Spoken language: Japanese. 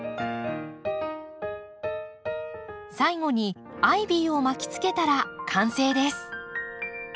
最後にアイビーを巻きつけたら完成です。